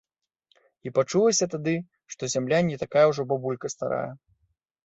І пачулася тады, што зямля не такая ўжо бабулька старая.